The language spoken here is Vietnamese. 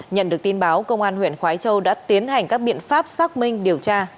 nhận được tin báo công an huyện khói châu đã tiến hành các biện pháp xác minh điều tra